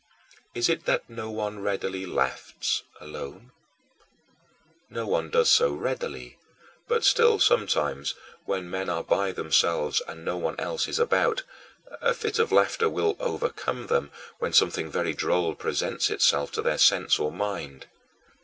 Is it that no one readily laughs alone? No one does so readily; but still sometimes, when men are by themselves and no one else is about, a fit of laughter will overcome them when something very droll presents itself to their sense or mind.